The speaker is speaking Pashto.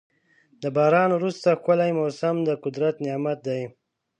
د باران وروسته ښکلی موسم د قدرت نعمت دی.